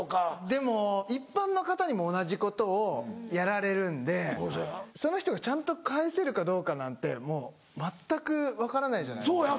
でも一般の方にも同じことをやられるんでその人がちゃんと返せるかどうかなんて全く分からないじゃないですか。